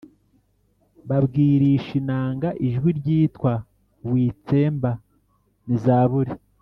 babwirisha inanga ijwi ryitwa Witsemba Ni Zaburi